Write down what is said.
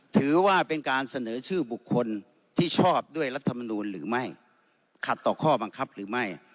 ถือว่าเป็นการเสนอชื่อบุคคลที่ชอบด้วยรัฐมนูลหรือไม่ขัดต่อข้อบังคับหรือไม่